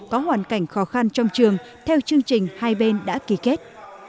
có hoàn cảnh khó khăn trong trường theo chương trình hai bên đã ký kết